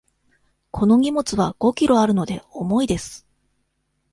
この荷物は五キロあるので、重いです。